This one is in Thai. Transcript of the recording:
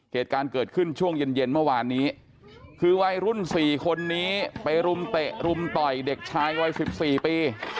เหตุการณ์เกิดขึ้นช่วงเย็นเย็นเมื่อวานนี้คือวัยรุ่น๔คนนี้ไปรุมเตะรุมต่อยเด็กชายวัย๑๔ปี